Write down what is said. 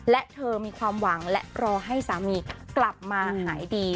และเธอมีความหวังและรอให้สามีกลับมาหายดี